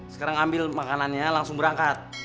sekarang ambil makanannya langsung berangkat